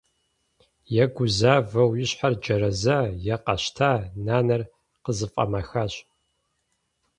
Е гузавэу и щхьэр джэрэза е къэщта - нанэр къызэфӀэмэхащ.